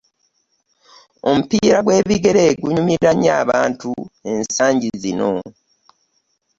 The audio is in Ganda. Omupiira gw'ebigere gunyumira nnyo abantu ensangi zino.